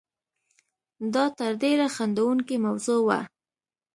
دا تر ډېره خندوونکې موضوع وه.